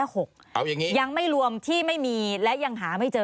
เอายังงี้หรอปืนยังไม่รวมที่ไม่มีและหาไม่เจอ